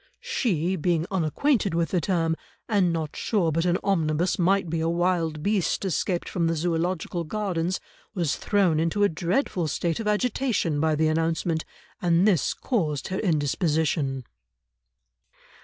She, being unacquainted with the term, and not sure but an omnibus might be a wild beast escaped from the Zoological Gardens, was thrown into a dreadful state of agitation by the announcement, and this caused her indisposition."